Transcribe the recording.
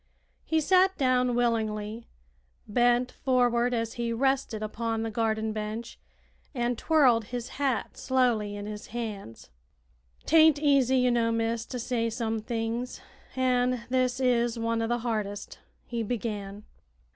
He sat down willingly, bent forward as he rested upon the garden bench, and twirled his hat slowly in his hands. "'Taint easy, ye know, miss, to say some things, an' this is one o' the hardest," he began.